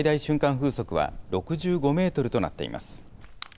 風速は６５メートルとなっています。